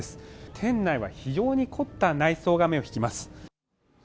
店内は非常に凝った内装が目を引きます。